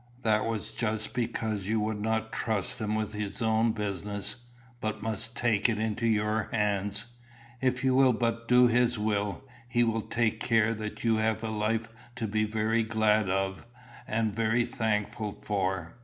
"That was just because you would not trust him with his own business, but must take it into your hands. If you will but do his will, he will take care that you have a life to be very glad of and very thankful for.